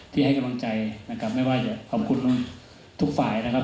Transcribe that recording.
ให้กำลังใจนะครับไม่ว่าจะขอบคุณทุกฝ่ายนะครับ